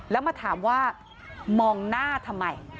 แล้วมาถามว่ามองหน้าทำไม